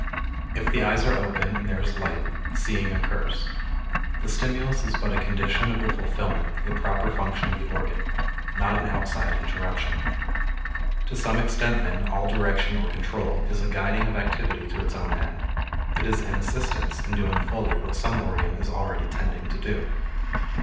If the eyes are open and there is light, seeing occurs; the stimulus is but a condition of the fulfillment of the proper function of the organ, not an outside interruption. To some extent, then, all direction or control is a guiding of activity to its own end; it is an assistance in doing fully what some organ is already tending to do.